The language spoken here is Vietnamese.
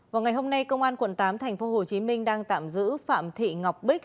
vào ngày hôm nay công an quận tám tp hcm đang tạm giữ phạm thị ngọc bích